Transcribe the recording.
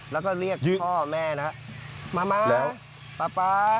แล้วก็เรียกพ่อแม่นะมาเร็วป๊าป๊า